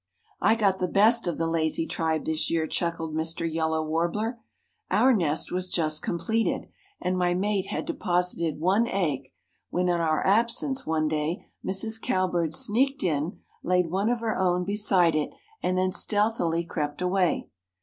"I got the best of the lazy tribe, this year," chuckled Mr. Yellow Warbler. "Our nest was just completed, and my mate had deposited one egg, when in our absence one day Mrs. Cowbird sneaked in, laid one of her own beside it and then stealthily crept away.